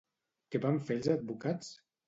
Què van fer els advocats?